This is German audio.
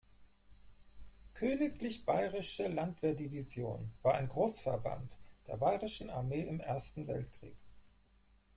Königlich Bayerische Landwehr-Division war ein Großverband der Bayerischen Armee im Ersten Weltkrieg.